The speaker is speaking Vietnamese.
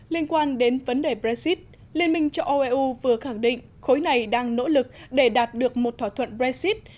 liên quan đến vấn đề brexit liên minh châu âu eu vừa khẳng định khối này đang nỗ lực để đạt được một thỏa thuận brexit